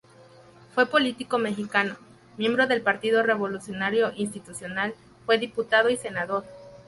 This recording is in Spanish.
Fue un político mexicano, miembro del Partido Revolucionario Institucional, fue diputado y senador.